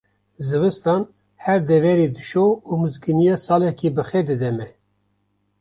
Zivistan her deverê dişo û mizgîniya saleke bixêr dide me.